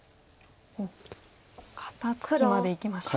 肩ツキまでいきました。